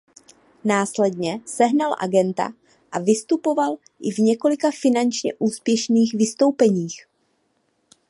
Následně sehnal agenta a vystupoval i v několika finančně úspěšných vystoupeních.